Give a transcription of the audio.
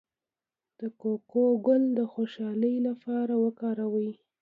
د کوکو ګل د خوشحالۍ لپاره وکاروئ